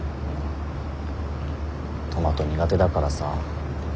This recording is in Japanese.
トマト苦手だからさ。